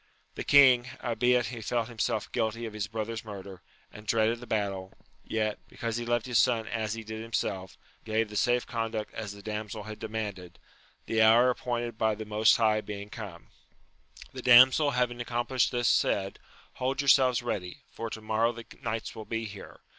The king, albeit he felt himself guilty of his brother's murder, and dreaded the battle, yet, because he loved his son as he (lid himself, gave the safe conduct as the damsel had demanded, the hour appointed by the Most HigTo. \iev\i^ (iotCL'^, 'Wjl^^ \^3ss^&^\ffl^C\s^^^^6RRRsv^ AMADIS OF GAUL. 235 plished this, said, Hold yourselves ready, for to morroTV the knights will be here.